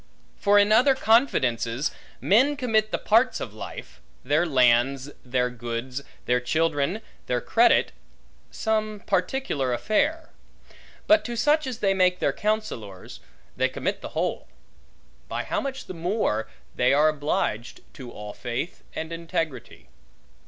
For in other confidences, men commit the parts of life; their lands, their goods, their children, their credit, some particular affair; but to such as they make their counsellors, they commit the whole: by how much the more, they are obliged to all faith and integrity.